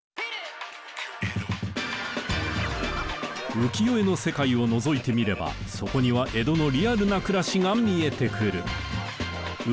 浮世絵の世界をのぞいてみればそこには江戸のリアルな暮らしが見えてくる。